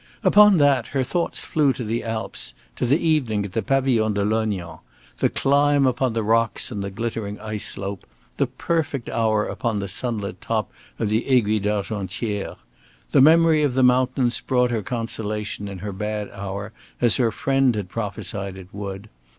Upon that her thoughts flew to the Alps, to the evening in the Pavillon de Lognan, the climb upon the rocks and the glittering ice slope, the perfect hour upon the sunlit top of the Aiguille d'Argentière. The memory of the mountains brought her consolation in her bad hour, as her friend had prophesied it would.